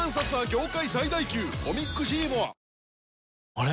あれ？